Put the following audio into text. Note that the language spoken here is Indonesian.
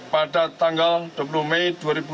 pada tanggal dua puluh mei dua ribu tujuh belas